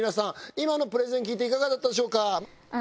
今のプレゼン聞いていかがだったでしょうか？